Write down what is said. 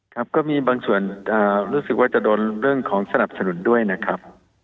ครับก็มีบางส่วนรู้สึกว่าจะโดนเรื่องของสนับสนุนด้วยนะครับ